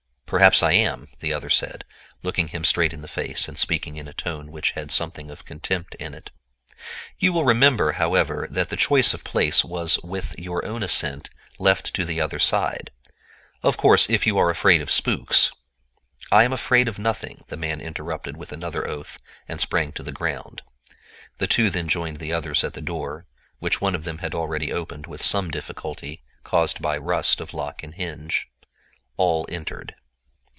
"Perhaps I am," the other said, looking him straight in the face and speaking in a tone which had something of contempt in it. "You will remember, however, that the choice of place was with your own assent left to the other side. Of course if you are afraid of spooks—" "I am afraid of nothing," the man interrupted with another oath, and sprang to the ground. The two then joined the others at the door, which one of them had already opened with some difficulty, caused by rust of lock and hinge. All entered.